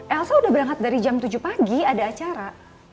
elsa udah berangkat dari jam tujuh pagi ada acara